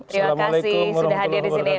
terima kasih sudah hadir di sini